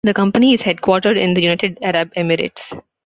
The company is headquartered in the United Arab Emirates.